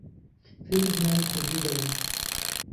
فێری زمانی کوردی دەبم.